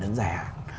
đến dài hạng